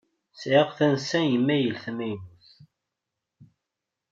Sεiɣ tansa imayl tamaynut.